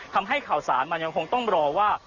ทำให้ข่าวสารมันยังคงต้องรอว่า